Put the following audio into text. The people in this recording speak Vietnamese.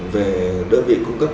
về đơn vị cung cấp